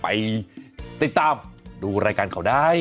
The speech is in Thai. ไปติดตามดูรายการเขาได้